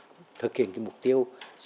góp phần thực hiện mục tiêu xóa nghèo bình thường